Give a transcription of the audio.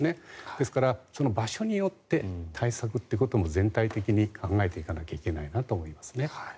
ですからその場所によって対策ということも全体的に考えなきゃいけないと思います。